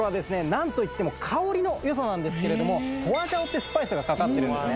何といっても香りのよさなんですけれども花椒ってスパイスがかかってるんですね